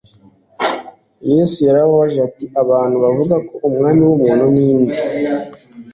Yesu yarababajije ati: «abantu bavuga ko Umwana w'umuntu ndi nde ?»